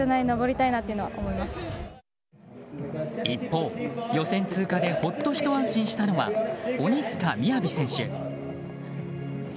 一方、予選通過でほっとひと安心したのは鬼塚雅選手。